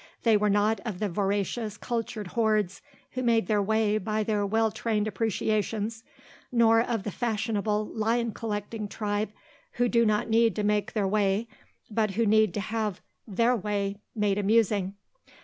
They were not of the voracious, cultured hordes who make their way by their well trained appreciations, nor of the fashionable lion collecting tribe who do not need to make their way but who need to have their way made amusing.